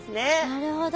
なるほど。